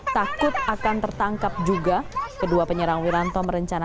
takut akan tertangkap juga kedua penyerang wiranto merencanakan